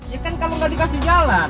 ya kan kamu gak dikasih jalan